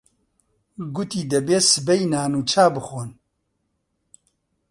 گوتی: دەبێ سبەی نان و چا بخۆن.